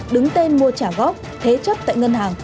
đứng tên mua trả góp thế chấp tại ngân hàng